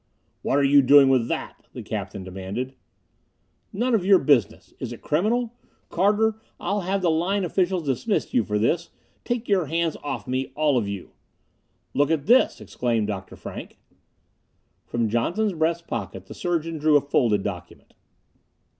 "What are you doing with that?" the captain demanded. "None of your business! Is it criminal? Carter, I'll have the Line officials dismiss you for this! Take your hands off me, all of you!" "Look at this!" exclaimed Dr. Frank. From Johnson's breast pocket the surgeon drew a folded document.